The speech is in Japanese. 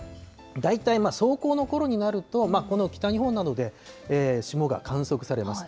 大体霜降のころになると、この北日本などで霜が観測されます。